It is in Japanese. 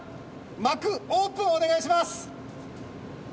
幕オープンお願いします！